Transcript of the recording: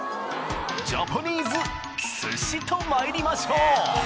ジャパニーズ寿司と参りましょう！